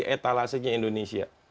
jadi etalase nya indonesia